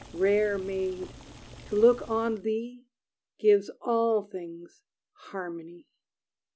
Rare maid, to look on thee Gives all things harmony!